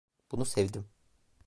Bunu sevdim.